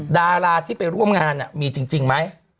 ดาราที่ไปร่วมงานมีจริงไหม